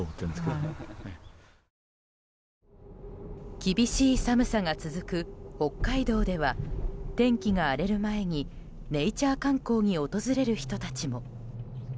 厳しい寒さが続く北海道では天気が荒れる前にネイチャー観光に訪れる人たちも。